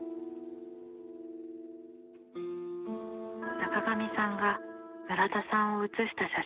中上さんが村田さんを写した写真。